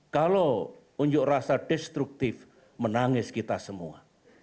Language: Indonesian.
kalau unjuk rasa destruktif menangis kita semua